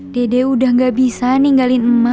dede udah nggak bisa ninggalin emak